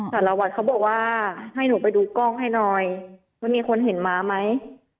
สารวัตรเขาบอกว่าให้หนูไปดูกล้องให้หน่อยว่ามีคนเห็นม้าไหม